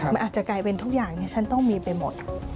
มันอาจจะกลายเป็นทุกอย่างที่ฉันต้องมีไปหมด